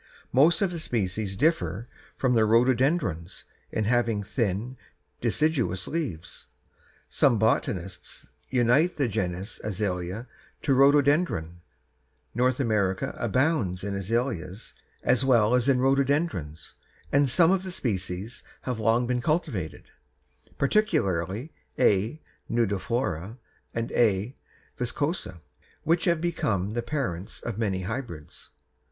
Most of the species differ from the rhododendrons in having thin, deciduous leaves. Some botanists unite the genus azalea to rhododendron. North America abounds in azaleas as well as in rhododendrons, and some of the species have long been cultivated, particularly A. nudiflora and A. viscosa, which have become the parents of many hybrids.